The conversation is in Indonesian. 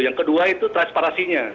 yang kedua itu transparasinya